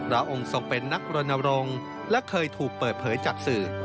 องค์ทรงเป็นนักรณรงค์และเคยถูกเปิดเผยจากสื่อ